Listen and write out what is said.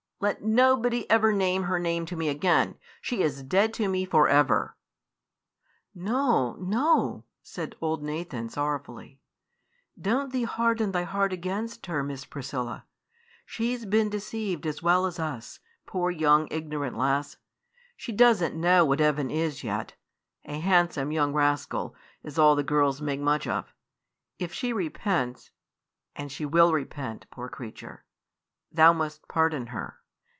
Let nobody ever name her name to me again; she's dead to me for evermore." "No, no," said old Nathan, sorrowfully; "don't thee harden thy heart against her, Miss Priscilla. She 's been deceived as well as us, poor, young, ignorant lass! She does n't know what Evan is yet: a handsome young raskill, as all the girls make much of. If she repents and she will repent, poor creature thou must pardon her."